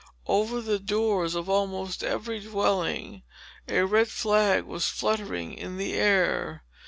Over the door of almost every dwelling, a red flag was fluttering in the air.